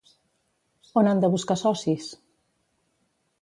On han de buscar socis?